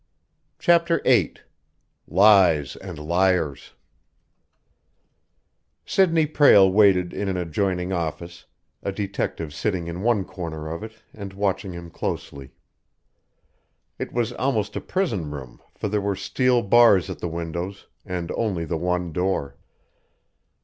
CHAPTER VIII LIES AND LIARS Sidney Prale waited in an adjoining office, a detective sitting in one corner of it and watching him closely. It was almost a prison room, for there were steel bars at the windows, and only the one door.